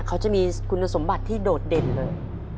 เขาจะมีคุณสมบัติที่โดดเด่นเลย